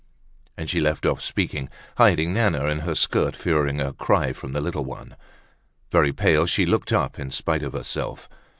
And she left off speaking, hiding Nana in her skirt, fearing a cry from the little one. Very pale, she looked up in spite of herself.